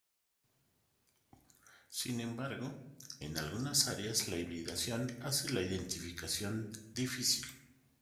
Sin embargo, en algunas áreas la hibridación hace la identificación difícil.